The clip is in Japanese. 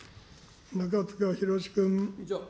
中司宏君。